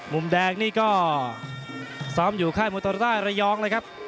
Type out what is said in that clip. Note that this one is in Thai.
มุมแดงนี้ก็ซ้อมอยู่คลายมทรด้ารายองครับ